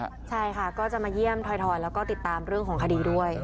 ใช่ค่ะก็จะมาเยี่ยมถอยแล้วก็ติดตามเรื่องของคดีด้วย